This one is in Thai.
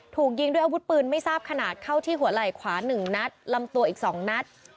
ถูกยิงด้วยอาวุธปืนไม่ทราบขนาดเข้าที่หัวไหล่ขวา๑นัดลำตัวอีก๒นัด